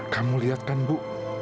kamu lihat kan bu